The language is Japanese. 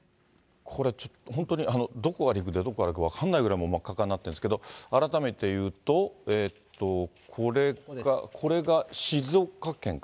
これちょっと、本当にどこが陸でどこがか分かんないぐらいまっかっかになってるんですけど、改めて言うと、これが静岡県か。